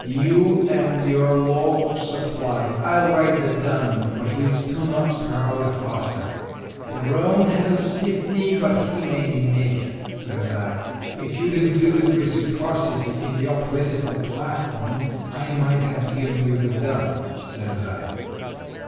'You and your law of supply! I'll ride the dun, for he's two knots per hour the faster. The roan has a stiff knee, but he may make it,' says I. 'If you'd included reciprocity in your political platform I might have given you the dun,' says I.